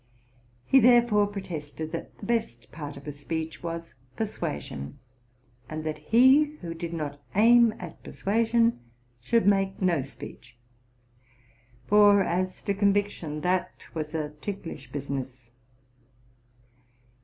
He thereupon pro tested that the best part of a speech was persuasion, and that he who did not aim at persuasion should make no speech ; for, as to conviction, that was a ticklish business.